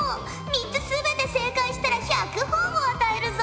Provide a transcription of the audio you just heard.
３つ全て正解したら１００ほぉを与えるぞ！